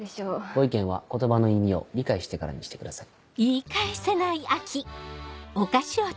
ご意見は言葉の意味を理解してからにしてください。